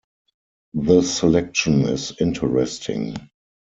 The selection is interesting.